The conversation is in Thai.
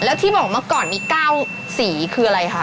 แล้วที่บอกเมื่อก่อนมี๙สีคืออะไรคะ